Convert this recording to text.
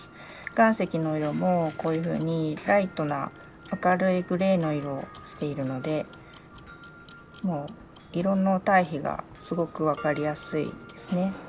岩石の色もこういうふうにライトな明るいグレーの色をしているのでもう色の対比がすごく分かりやすいですね。